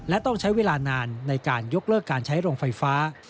และต้องใช้เวลานานในการยกเลิกการใช้โรงไฟฟ้า